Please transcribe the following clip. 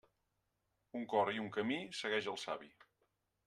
Un cor i un camí segueix el savi.